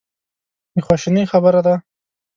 د خواشینۍ خبره ده.